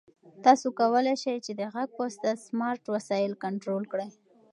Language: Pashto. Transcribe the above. تاسو کولای شئ چې د غږ په واسطه سمارټ وسایل کنټرول کړئ.